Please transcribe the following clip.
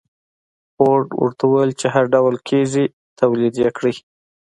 فورډ ورته وويل چې هر ډول کېږي توليد يې کړئ.